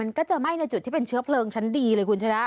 มันก็จะไหม้ในจุดที่เป็นเชื้อเพลิงชั้นดีเลยคุณชนะ